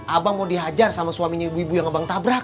abang mau dihajar sama suaminya ibu ibu yang ngebang tabrak